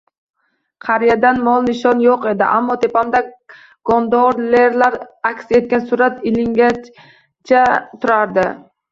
Qariyadan nom-nishon yo`q edi, ammo tepamda gondolerlar aks etgan surat ilingancha turardi